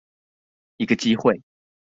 一個機會